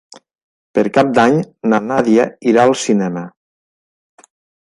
Per Cap d'Any na Nàdia irà al cinema.